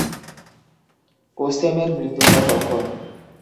কোসেমের মৃত্যু হয় কখন?